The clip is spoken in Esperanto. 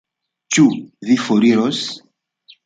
Ĉu vi foriros?